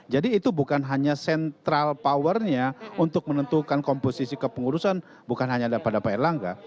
jadi itu bukan hanya sentral powernya untuk menentukan komposisi kepengurusan bukan hanya pada pak air langga